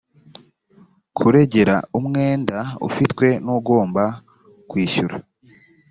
kurengera umwenda ufitwe n ugomba kwishyura